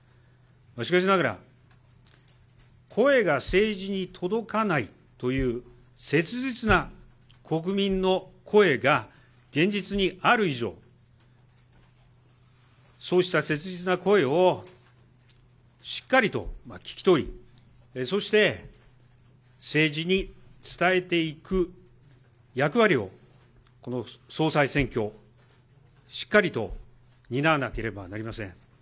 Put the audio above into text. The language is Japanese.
しかしながら、声が政治に届かないという切実な国民の声が現実にある以上、そうした切実な声をしっかりと聞き取り、そして、政治に伝えていく役割を、この総裁選挙、しっかりと担わなければなりません。